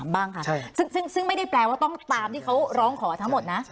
บ้างค่ะซึ่งไม่ได้แปลว่าต้องตามที่เขาร้องขอทั้งหมดนะ